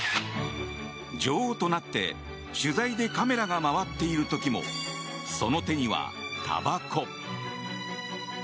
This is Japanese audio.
女王となって取材でカメラが回っている時もその手には、たばこ。